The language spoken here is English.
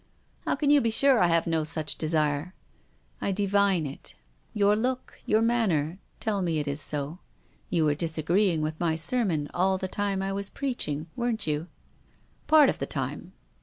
" How can you be sure I have no such desire ?"" I divine it. Your look, your manner, tell me it is so. You were disagreeing with my sermon all the time I was preaching. Weren't you ?"" Part of the time."